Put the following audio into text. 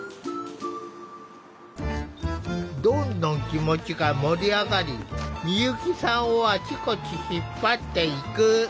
どんどん気持ちが盛り上がり美由紀さんをあちこち引っ張っていく。